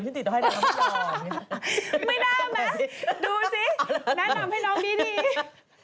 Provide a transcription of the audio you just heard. ไม่แปลกนี่ดูสิแนะนำให้น้องนี้ดี